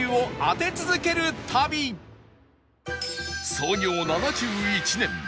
創業７１年